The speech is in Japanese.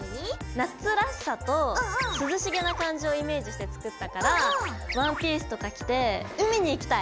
夏らしさと涼しげな感じをイメージして作ったからワンピースとか着て海に行きたい！